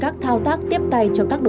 cho an toàn